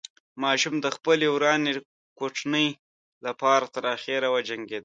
ماشوم د خپلې ورانې کوټنۍ له پاره تر اخره وجنګېده.